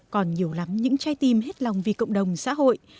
còn nhiều lắm những trái tim hết lòng vì cộng đồng xã hội